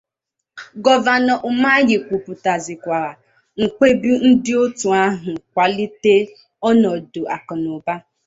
Gọvanọ Ụmahị kwupụtàzịkwàrà mkpebi ndị òtù ahụ ịkwàlite ọnọdụ akụnaụba